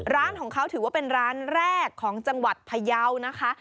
ร้านของเขาถือว่าเป็นร้านแรกของจังหวัดพยาวนะคะ